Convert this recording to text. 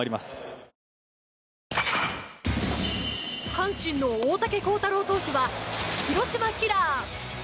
阪神の大竹耕太郎投手は広島キラー。